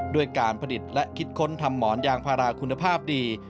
ด้วยการผลิตและคิดค้นทำหมอนยางพาราคุณภาพดี